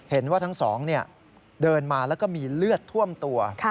เห็นว่าทั้งสองเดินมาแล้วก็มีเลือดท่วมตัว